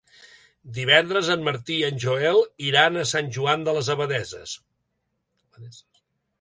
Divendres en Martí i en Joel iran a Sant Joan de les Abadesses.